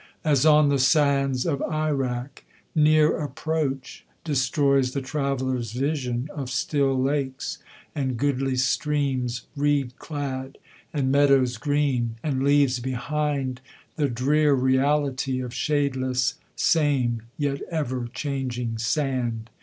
As, on the sands of Irak, near approach Destroys the traveller's vision of still lakes, And goodly streams reed clad, and meadows green; And leaves behind the drear reality Of shadeless, same, yet ever changing sand!